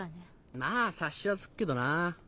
まぁ察しはつくけどな。